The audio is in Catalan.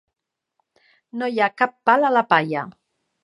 No hi ha cap pal a la palla.